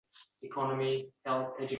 Holdan toygan ko‘yi edi.